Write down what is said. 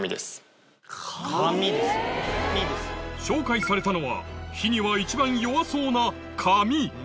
紹介されたのは火には一番弱そうな紙